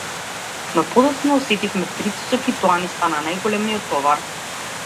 Но подоцна осетивме притисок и тоа ни стана најголемиот товар.